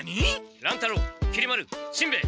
乱太郎きり丸しんべヱ！